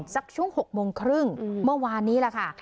สักช่วง๖โมงครึ่งเมื่อวานนี้แหละค่ะ